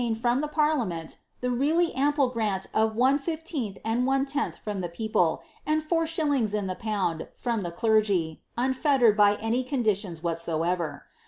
191 tuned from the parliament the really ample grant of oiie hftcentti and ooe tenth from the people, and four shillings in the pound from the cleigy, unfettered by any conditions whatsoever.